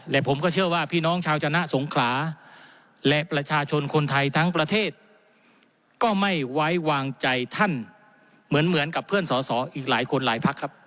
และผมก็เชื่อว่าพี่น้องชาวจนะสงขลาและประชาชนคนไทยทั้งประเทศก็ไม่ไว้วางใจท่านเหมือนกับเพื่อนสอสออีกหลายคนหลายพักครับ